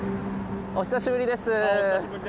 あお久しぶりです。